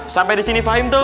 sampai disini fahim tuh